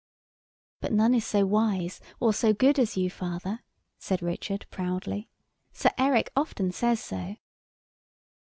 "But none is so wise or so good as you, father," said Richard, proudly. "Sir Eric often says so."